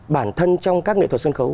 bản thân trong các nghệ thuật sân khấu